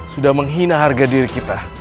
sudah menghina harga diri kita